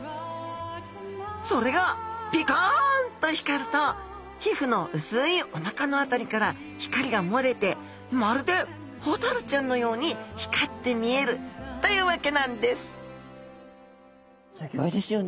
それがピカンと光ると皮膚の薄いおなかの辺りから光が漏れてまるでホタルちゃんのように光って見えるというわけなんですすギョいですよね。